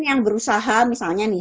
yang berusaha misalnya nih